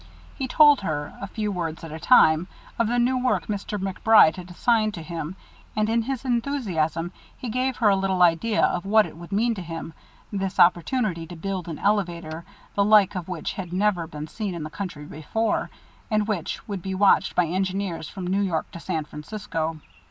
He told her, a few words at a time, of the new work Mr. MacBride had assigned to him, and in his enthusiasm he gave her a little idea of what it would mean to him, this opportunity to build an elevator the like of which had never been seen in the country before, and which would be watched by engineers from New York to San Francisco.